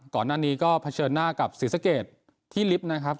ก่อนหน้านี้ก็เผชิญหน้ากับศรีสะเกดที่ลิฟต์นะครับ